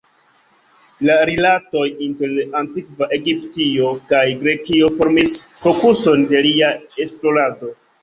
La rilatoj inter antikva Egiptio kaj Grekio formis fokuson de lia esplorado.